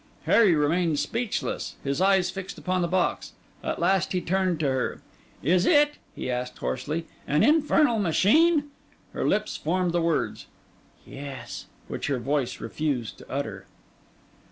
Harry remained speechless, his eyes fixed upon the box: at last he turned to her. 'Is it,' he asked hoarsely, 'an infernal machine?' Her lips formed the word 'Yes,' which her voice refused to utter.